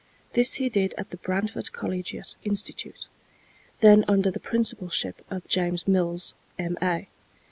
This he did at the Brantford Collegiate Institute, then under the principalship of James Mills, M.A.